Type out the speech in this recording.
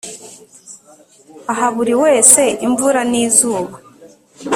aha buri wese imvura n izuba